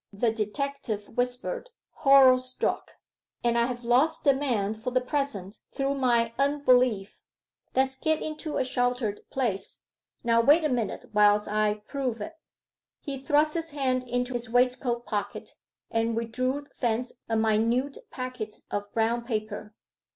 the detective whispered, horror struck. 'And I have lost the man for the present through my unbelief. Let's get into a sheltered place.... Now wait a minute whilst I prove it.' He thrust his hand into his waistcoat pocket, and withdrew thence a minute packet of brown paper.